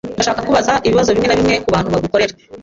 Ndashaka kukubaza ibibazo bimwe na bimwe kubantu bagukorera.